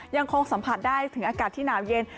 ยังคงสัมผัสได้ถึงอากาศที่หนาวเย็น